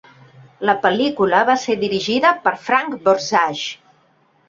La pel·lícula va ser dirigida per Frank Borzage.